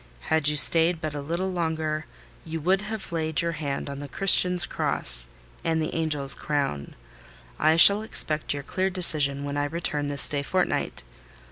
Had you stayed but a little longer, you would have laid your hand on the Christian's cross and the angel's crown. I shall expect your clear decision when I return this day fortnight.